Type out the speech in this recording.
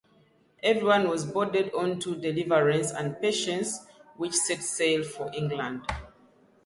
Everyone was boarded onto "Deliverance" and "Patience," which set sail for England.